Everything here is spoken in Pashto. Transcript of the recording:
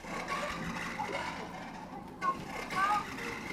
انساني توره څېره ښيي